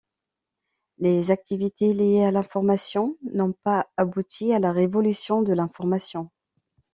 Les activités liées à l'information n'ont pas abouti à la révolution de l'information.